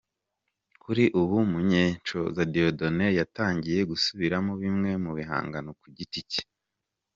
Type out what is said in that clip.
Kuri ubu Munyenshoza Dieudonne yatangiye gusubiramo bimwe mu bihangano ku giti cye.